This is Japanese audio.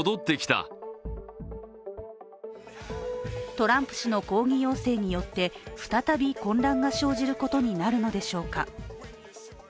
トランプ氏の抗議要請によって再び混乱が生じることになるのでしょうか。